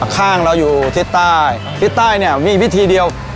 ข้างละอยู่ที่ใต้ที่ใต้เนี่ยมีอีกวิธีเดียว